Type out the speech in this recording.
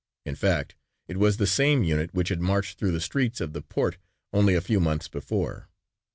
In fact it was the same unit which had marched through the streets of the port only a few months before.